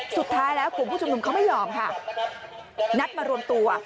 สุดท้ายแล้วกลุ่มผู้ชุมนุมเขาไม่ยอมค่ะนัดมารวมตัว